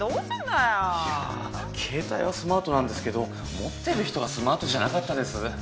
いやケータイはスマートなんですけど持ってる人がスマートじゃなかったです。